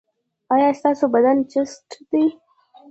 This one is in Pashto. ایا ستاسو بدن چست دی؟